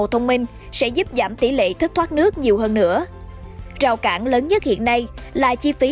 thông minh sẽ giúp giảm tỷ lệ thất thoát nước nhiều hơn nữa rào cản lớn nhất hiện nay là chi phí